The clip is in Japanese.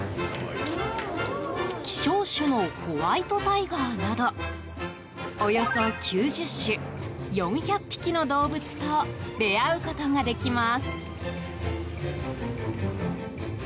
希少種のホワイトタイガーなどおよそ９０種４００匹の動物と出会うことができます。